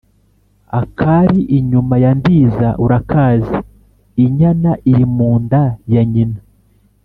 Akari inyuma ya Ndiza urakazi ?-Inyana iri mu nda ya nyina.